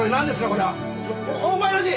これは！お前たち！